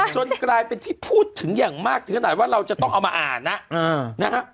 จนกลายเป็นที่พูดถึงอย่างมากถึงขนาดว่าเราจะต้องเอามาอ่านนะฮะ